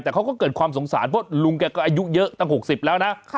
แต่เขาก็เกิดความสงสารเพราะลุงแกก็อายุเยอะตั้ง๖๐แล้วนะ